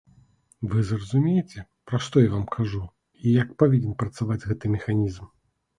Вы зразумееце, пра што я вам кажу і як павінен працаваць гэты механізм.